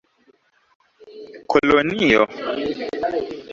kolonio